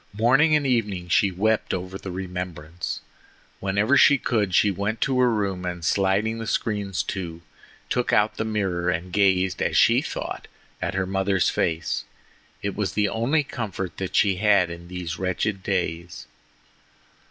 Morning and evening she wept over the remembrance. Whenever she could she went to her room, and sliding the screens to, took out the mirror and gazed, as she thought, at her mother's face. It was the only comfort that she had in these wretched days.